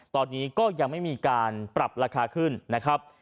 ตอนนี้ก็ยังไม่มีการปรับราคาขึ้นนะครับ